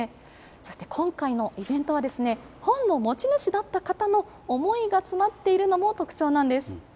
そして今回のイベントは、本の持ち主だった方の思いが詰まっているのも特徴なんです。